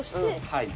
はい。